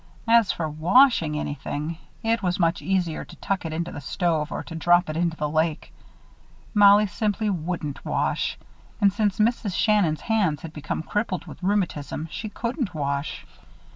As for washing anything, it was much easier to tuck it into the stove or to drop it into the lake. Mollie simply wouldn't wash; and since Mrs. Shannon's hands had become crippled with rheumatism, she couldn't wash.